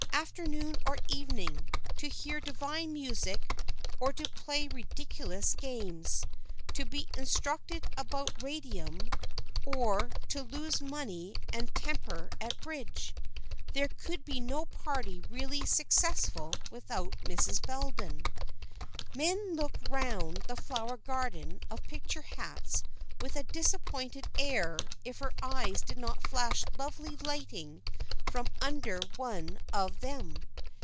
Afternoon or evening to hear divine music or to play ridiculous games; to be instructed about radium, or to lose money and temper at bridge, there could be no party really successful without Mrs. Bellenden. Men looked round the flower garden of picture hats with a disappointed air if her eyes did not flash lovely lightning from under one of them.